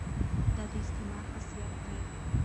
دا د استعمار خاصیت دی.